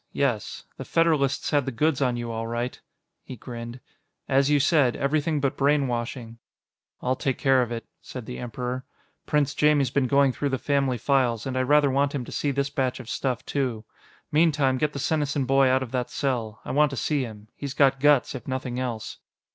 Yes. The Federalists had the goods on you, all right." He grinned. "As you said, everything but brainwashing." "I'll take care of it," said the Emperor. "Prince Jaimie's been going through the family files, and I rather want him to see this batch of stuff, too. Meantime, get the Senesin boy out of that cell; I want to see him. He's got guts, if nothing else."